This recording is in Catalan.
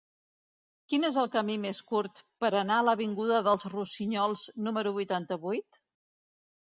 Quin és el camí més curt per anar a l'avinguda dels Rossinyols número vuitanta-vuit?